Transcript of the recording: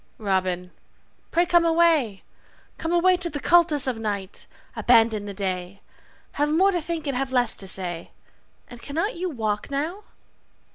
Robin, pray Come away, come away To the cultus of night. Abandon the day. Have more to think and have less to say. And cannot you walk now?